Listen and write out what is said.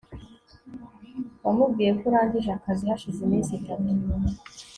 wamubwiye ko urangije akazi hashize iminsi itatu